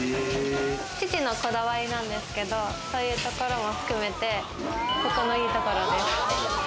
父のこだわりなんですけどそういうところも含めて、ここのいいところです。